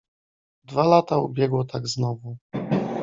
"Dwa lata ubiegło tak znowu."